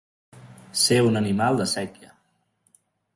Ser un animal de séquia.